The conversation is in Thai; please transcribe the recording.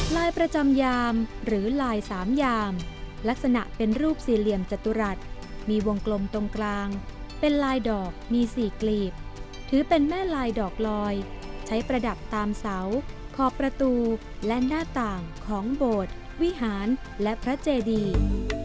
ลายประจำยามหรือลายสามยามลักษณะเป็นรูปสี่เหลี่ยมจตุรัสมีวงกลมตรงกลางเป็นลายดอกมี๔กลีบถือเป็นแม่ลายดอกลอยใช้ประดับตามเสาขอบประตูและหน้าต่างของโบสถ์วิหารและพระเจดี